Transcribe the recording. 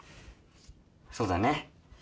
そうだね。